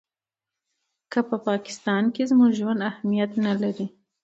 که پاکستان ته زموږ ژوند اهمیت نه لري.